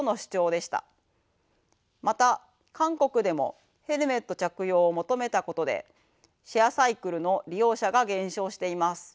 また韓国でもヘルメット着用を求めたことでシェアサイクルの利用者が減少しています。